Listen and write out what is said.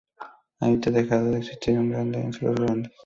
Había dejado de existir un grande entre los grandes.